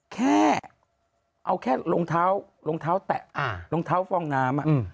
แค่เอาแค่รองเท้ารองเท้าแตะรองเท้าฟองน้ำ